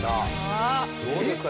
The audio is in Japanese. どうですか？